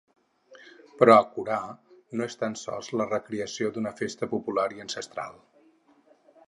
Però ‘Acorar’ no és tan sols la recreació d’una festa popular i ancestral.